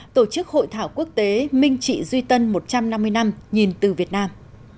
tổ chức hội thảo quốc tế minh trị duy tân một trăm năm mươi năm nhìn từ việt nam